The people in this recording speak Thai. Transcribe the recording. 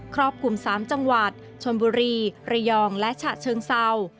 รอบคลุม๓จังหวัดชนบุรีระยองและฉะเชิงเศร้า